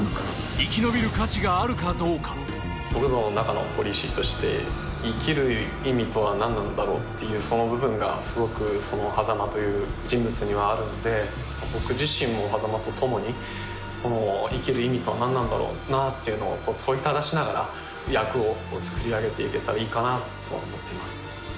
生き延びる価値があるかどうか僕の中のポリシーとして生きる意味とは何なんだろうっていうその部分がすごく波佐間という人物にはあるんで僕自身も波佐間とともに生きる意味とは何なんだろうなっていうのを問いただしながら役を作り上げていけたらいいかなとは思っています